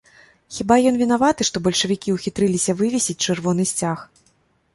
Хіба ён вінаваты, што бальшавікі ўхітрыліся вывесіць чырвоны сцяг?